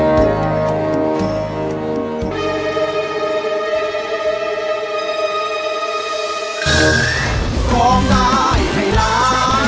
ฝากเพลงสู้รอยผ่านจากใจ